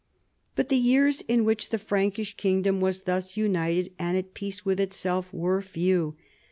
But the years in which the Frankish kingdom was thus united and at peace with itself were few.